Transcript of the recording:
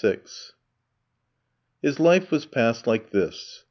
VI His life was passed like this.